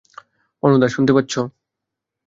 অমুধা, শুনতে পাচ্ছ?